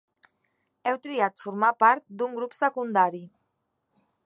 Heu triat formar part d'un grup secundari.